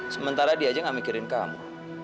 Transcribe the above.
sementara dia aja gak mikirin kamu